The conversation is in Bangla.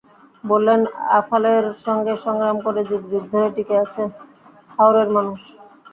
বললেন, আফালের সঙ্গে সংগ্রাম করে যুগ যুগ ধরে টিকে আছে হাওরের মানুষ।